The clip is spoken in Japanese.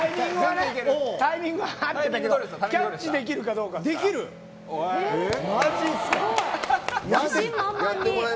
タイミングは合ってたけどキャッチできるかどうかですから。